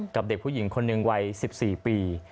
กับเด็กผู้หญิงคนหนึ่งวัย๑๔ปี